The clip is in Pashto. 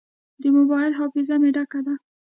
د موبایل حافظه مې ډکه ده.